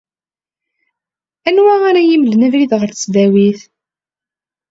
Anwa ara yi-imlen abrid ?er tesdawit ?